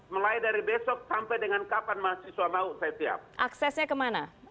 mulai dari besok sampai dengan kapan mahasiswa mau saya siap aksesnya kemana